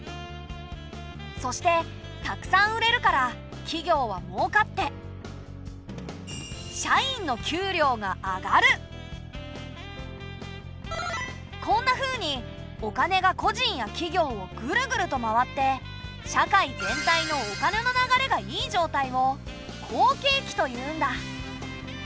そしてたくさん売れるから企業はもうかって社員のこんなふうにお金が個人や企業をぐるぐると回って社会全体のお金の流れがいい状態を好景気というんだ。